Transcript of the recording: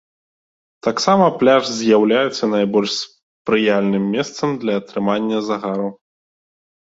Таксама пляж з'яўляецца найбольш спрыяльным месцам для атрымання загару.